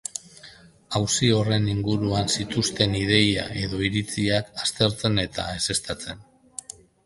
Auzi horren inguruan zituzten ideia edo iritziak aztertzen eta ezeztatzen.